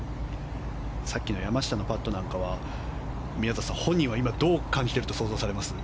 さっきの山下のパットなんかは宮里さん、今本人はどう感じていると想像されますか。